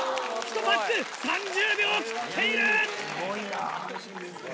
１パック３０秒を切っている。